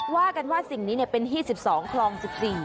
ว่ากันว่าสิ่งนี้เนี่ยเป็นที่๑๒คลองจุด๔